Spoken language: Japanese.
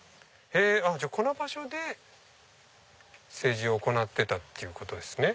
じゃあこの場所で政治を行ってたんですね。